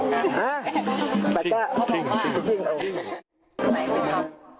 แต่ก็เขาบอกว่าจริงเอาจริง